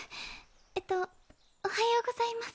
えっとおはようございます。